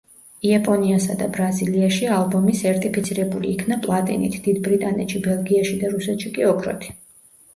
იაპონიასა და ბრაზილიაში ალბომი სერტიფიცირებული იქნა პლატინით, დიდ ბრიტანეტში, ბელგიაში და რუსეთში კი ოქროთი.